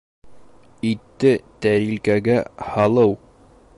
Итте тәрилкәгә һалыу